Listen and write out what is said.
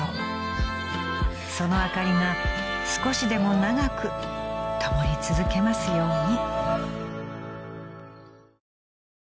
［その灯りが少しでも長くともり続けますように］